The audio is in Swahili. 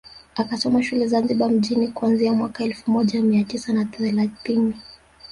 Akasoma shule Zanzibar mjini kuanzia mwaka elfu moja mia tisa na thelathini